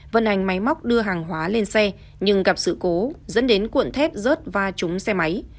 vận hành máy móc đưa hàng hóa lên xe nhưng gặp sự cố dẫn đến cuộn thép rớt va trúng xe máy